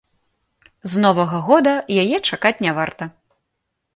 З новага года яе чакаць не варта.